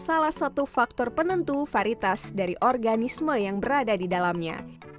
salah satu faktor penentu varitas dari organisme yang berada di dalamnya